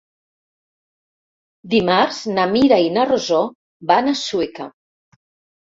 Dimarts na Mira i na Rosó van a Sueca.